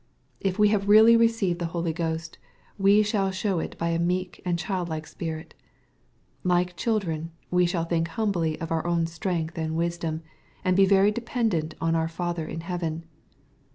If we have really received the Holy Ghost, we shall show it by a meek and childlike spirit. Like children, we shall think humbly of our own strength and wisdom, and be very dependent on our Father in heaven.